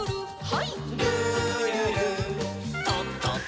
はい。